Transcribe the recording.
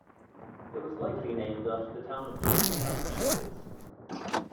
It was likely named after the town of Dalton, Massachusetts.